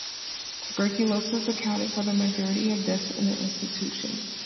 Tuberculosis accounted for the majority of deaths in the institution.